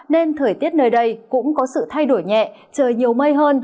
nên thời tiết nơi đây cũng có sự thay đổi nhẹ trời nhiều mây hơn